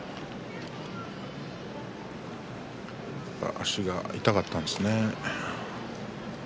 足が痛かったんですね。